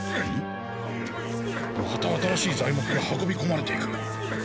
また新しい材木が運びこまれていく。